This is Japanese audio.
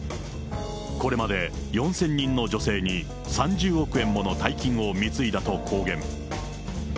これまで４０００人の女性に３０億円もの大金を貢いだと公言。